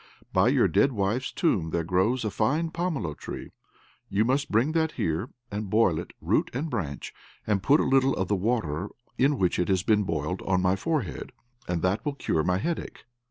By your dead wife's tomb there grows a fine pomelo tree; you must bring that here, and boil it, root and branch, and put a little of the water in which it has been boiled, on my forehead, and that will cure my headache."